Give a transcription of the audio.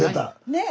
ねえ。